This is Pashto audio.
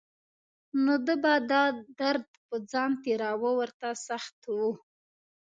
نو ده به دا درد په ځان تېراوه ورته سخت و.